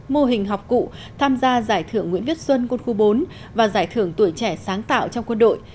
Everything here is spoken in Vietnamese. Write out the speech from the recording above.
mô hình học cụ tham gia giải thưởng nguyễn viết xuân quân khu bốn và giải thưởng tuổi trẻ sáng tạo trong quân đội